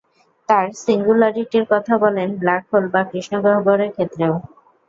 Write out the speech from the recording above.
তাঁরা সিঙ্গুলারিটির কথা বলেন ব্ল্যাক হোল বা কৃষ্ণগহ্বরের ক্ষেত্রেও।